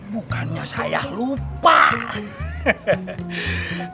bukannya sayah lupa hahaha